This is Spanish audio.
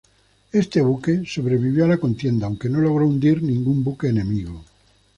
Este buque, sobrevivió a la contienda, aunque no logró hundir ningún buque enemigo.